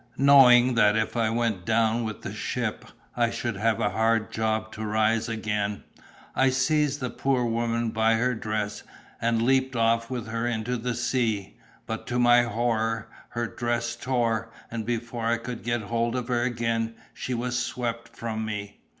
Knowing that if I went down with the ship I should have a hard job to rise again, I seized a poor woman by her dress, and leaped off with her into the sea; but to my horror, her dress tore, and before I could get hold of her again she was swept from me.